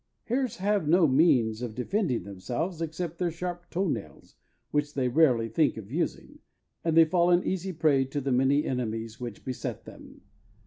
Hares have no means of defending themselves, except their sharp toe nails, which they rarely think of using, and they fall an easy prey to the many enemies which beset them.